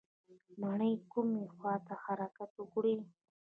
مڼې کومې خواته حرکت وکړي؟